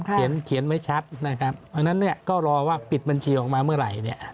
เขียนไม่ชัดนะครับเพราะฉะนั้นก็รอว่าปิดบัญชีออกมาเมื่อไหร่